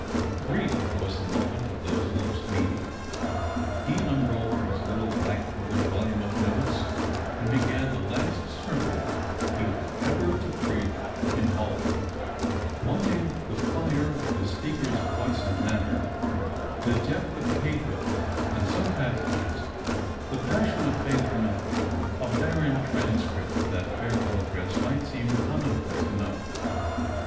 Brief was the moment of those looks meeting. He unrolled his little black covered volume of notes, and began the last Bermon he was ever to preach in Hawleigh. Wanting the fire of the speaker's voice and manner, the dei)th of pathos in some passages) the passion of faith in others, a barren transcript of that farewell address might seem common place enough.